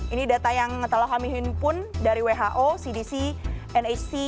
ini data yang telah hamilin pun dari who cdc nhc